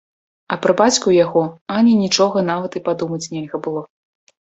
А пра бацьку яго ані нічога нават і падумаць нельга было.